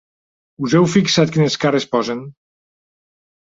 Us heu fixat quines cares posen?